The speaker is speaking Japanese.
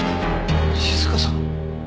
静香さん！？